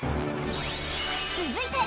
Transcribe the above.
［続いて］